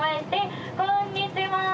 こんにちはー！